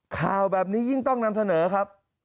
ข่าวแบบนี้ยิ่งต้องนำเสนอครับ